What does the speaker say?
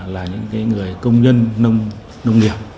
là những người công nhân nông nghiệp